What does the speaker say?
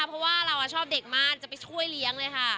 เพราะว่าเราชอบเด็กมากจะไปช่วยเลี้ยงเลยค่ะ